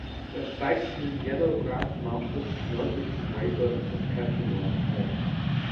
Er steigt in den Yellow Grass Marshes nördlich von Weyburn, Saskatchewan auf.